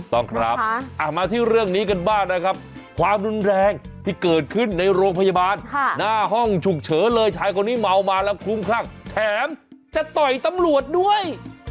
ต้องครับมาที่เรื่องนี้กันบ้างนะครับความรุนแรงที่เกิดขึ้นในโรงพยาบาลหน้าห้องฉุกเฉินเลยชายคนนี้เมามาแล้วคลุ้มคลั่งแถมจะต่อยตำรวจด้วย